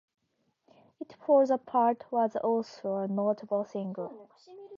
"It Falls Apart" was also a notable single.